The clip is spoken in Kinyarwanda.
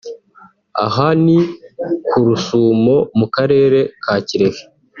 Aha ni ku Rusumo mu Karere ka Kirehe